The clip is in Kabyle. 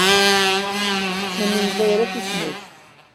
Sami yella ira tusnakt.